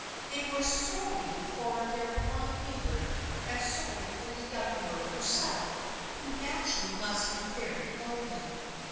They were sorry for their blind neighbor and sorry for the young girl herself, who naturally must be very lonely.